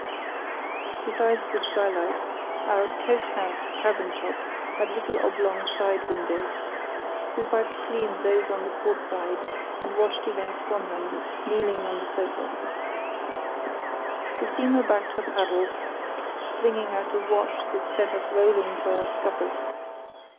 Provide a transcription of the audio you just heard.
Besides the skylight, our "coach house" cabin top had little oblong side windows. We wiped clean those on the port side and watched events from them, kneeling on the sofa. The steamer backed her paddles, flinging out a wash that set us rolling to our scuppers.